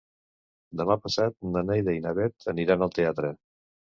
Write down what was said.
Demà passat na Neida i na Bet aniran al teatre.